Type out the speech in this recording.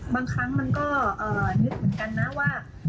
บางครั้งมันก็นึกเหมือนกันนะว่า